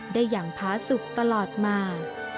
ได้อย่างพาสุขตลอดมา